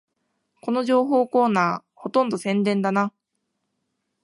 この情報コーナー、ほとんど宣伝だな